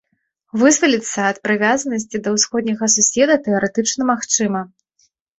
Вызваліцца ад прывязанасці да ўсходняга суседа тэарэтычна магчыма.